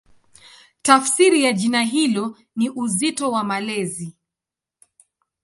Tafsiri ya jina hilo ni "Uzito wa Malezi".